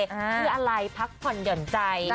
คืออะไรพักผ่อนหย่อนใจ